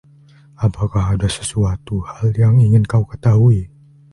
Apakah ada sesuatu hal yang ingin kau ketahui?